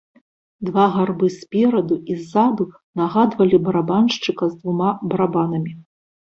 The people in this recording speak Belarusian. Два гарбы спераду і ззаду нагадвалі барабаншчыка з двума барабанамі.